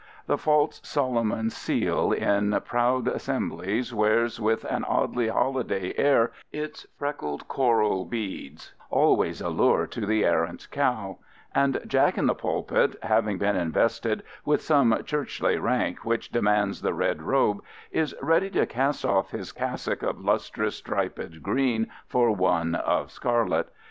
The false Solomon's seal in proud assemblies wears with an oddly holiday air its freckled coral beads, always a lure to the errant cow; and jack in the pulpit, having been invested with some churchly rank which demands the red robe, is ready to cast off his cassock of lustrous striped green for one of scarlet.